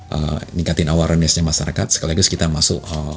meningkatin awarenessnya masyarakat sekaligus kita masuk